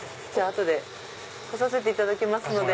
後で来させていただきますので。